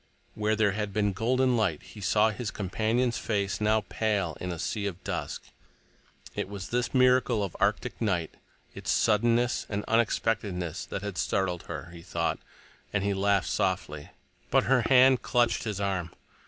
Where there had been golden light, he saw his companion's face now pale in a sea of dusk. It was this miracle of arctic night, its suddenness and unexpectedness, that had startled her, he thought, and he laughed softly. But her hand clutched his arm.